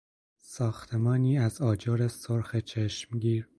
ساختمانی از آجر سرخ چشمگیر